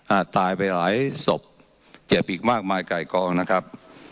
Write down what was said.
ตายไปหลายศพเจ็บอีกมากมายไก่กองนะครับ